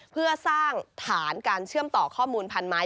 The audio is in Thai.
เพื่อสร้างฐานการเชื่อมต่อข้อมูลพันไม้